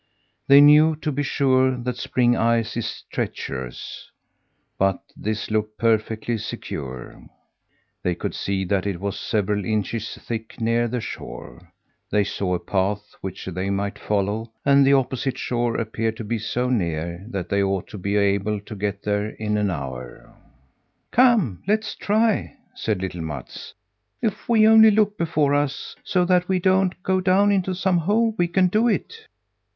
They knew, to be sure, that spring ice is treacherous, but this looked perfectly secure. They could see that it was several inches thick near the shore. They saw a path which they might follow, and the opposite shore appeared to be so near that they ought to be able to get there in an hour. "Come, let's try!" said little Mats. "If we only look before us, so that we don't go down into some hole, we can do it."